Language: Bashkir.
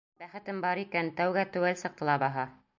Бәхетем бар икән, тәүгә теүәл сыҡты ла баһа!